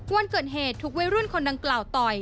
วันเกิดเหตุถูกวัยรุ่นคนดังกล่าวต่อย